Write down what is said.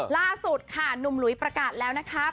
ล่าสุดค่ะหนุ่มหลุยประกาศแล้วนะคะ